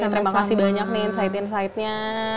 terima kasih banyak nih insight insightnya